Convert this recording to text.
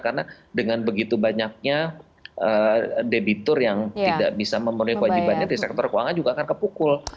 karena dengan begitu banyaknya debitur yang tidak bisa memenuhi kewajibannya di sektor keuangan juga akan kepukul